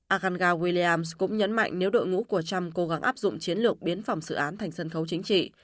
aga williams cũng nhấn mạnh nếu đội ngũ của trump cố gắng áp dụng chiến lược biến phòng xử án thành sân khấu chính trị